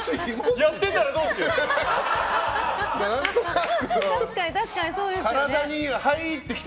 やってたらどうしようって。